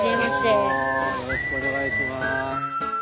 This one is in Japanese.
よろしくお願いします。